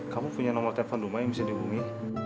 kamu punya nomor telepon dumai yang bisa dihubungi